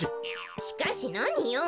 しかしなによん。